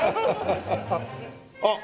あっ！